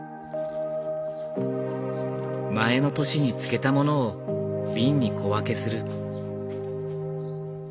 前の年に漬けたものを瓶に小分けする。